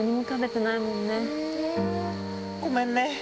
ごめんね。